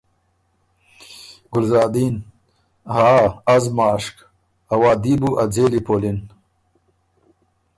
ګلزادین: ها از ماشک، ا وعدي بُو ا ځېلی پولِن